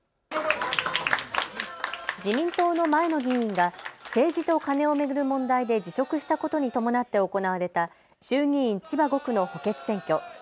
自民党の前の議員が政治とカネを巡る問題で辞職したことに伴って行われた衆議院千葉５区の補欠選挙。